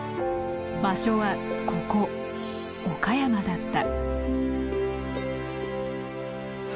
場所はここ岡山だった。